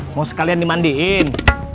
mau sekalian dimandiin